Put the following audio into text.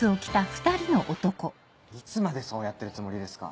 いつまでそうやってるつもりですか？